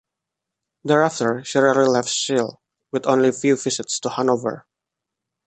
Thereafter, she rarely left Celle, with only few visits to Hanover.